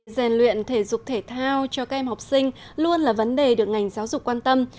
rèn luyện thể dục thể thao cho các em học sinh luôn là vấn đề được ngành giáo dục quan tâm